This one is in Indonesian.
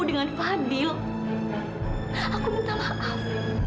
dengan fadil aku minta maaf